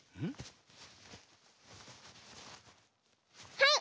はい！